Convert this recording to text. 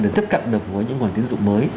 để tiếp cận được với những nguồn tiến dụng mới